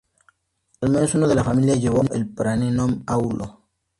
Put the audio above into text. Al menos uno de la familia llevó el praenomen Aulo.